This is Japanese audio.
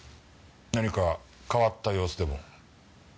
何か変わった様子でも？